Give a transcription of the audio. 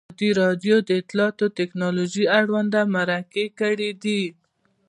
ازادي راډیو د اطلاعاتی تکنالوژي اړوند مرکې کړي.